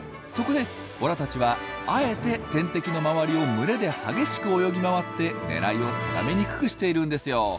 そこでボラたちはあえて天敵の周りを群れで激しく泳ぎ回って狙いを定めにくくしているんですよ。